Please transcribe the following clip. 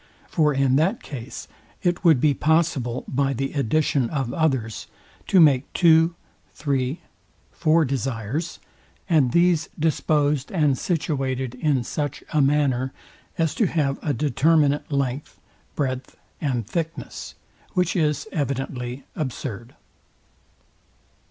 For in that case it would be possible, by the addition of others, to make two, three, four desires, and these disposed and situated in such a manner, as to have a determinate length, breadth and thickness; which is evidently absurd.